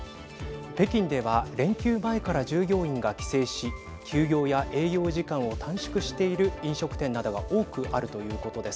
北京では連休前から従業員が帰省し休業や営業時間を短縮している飲食店などが多くあるということです。